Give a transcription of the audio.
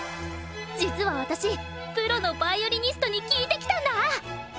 実は私プロのヴァイオリニストに聞いてきたんだ！